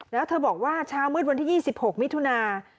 แล้วเธอบอกว่าเช้ามืดวันที่๒๖มิถุนา